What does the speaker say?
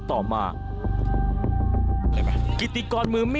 สวัสดีครับ